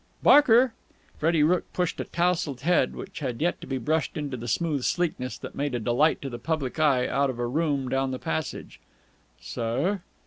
"Barker!" Freddie Rooke pushed a tousled head, which had yet to be brushed into the smooth sleekness that made a delight to the public eye, out of a room down the passage. "Sir?"